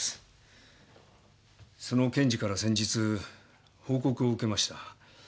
その検事から先日報告を受けました。